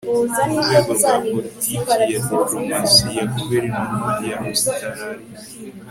mu rwego rwa politiki ya diplomasi ya guverinoma ya Ositaraliya